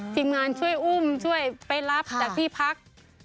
ทีมงานช่วยอุ้มช่วยไปรับจากที่พัก